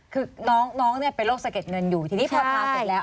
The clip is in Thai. คือน้องเนี่ยเป็นโรคสะเด็ดเงินอยู่ทีนี้พอทาเสร็จแล้ว